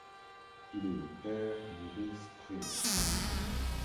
Il est le père d'Iris Tree.